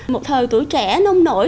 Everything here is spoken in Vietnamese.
một thời tuổi trẻ nông nổi